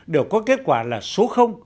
đều có kết quả là số